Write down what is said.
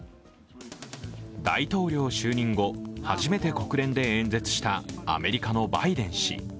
大統領就任後、初めて国連で演説したアメリカのバイデン氏。